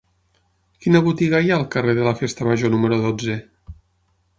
Quina botiga hi ha al carrer de la Festa Major número dotze?